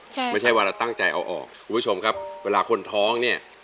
ใช่ไม่ใช่ว่าเราตั้งใจเอาออกคุณผู้ชมครับเวลาคนท้องเนี่ย